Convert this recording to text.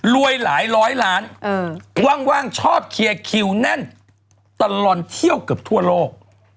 หลายร้อยล้านว่างชอบเคลียร์คิวแน่นตลอดเที่ยวเกือบทั่วโลก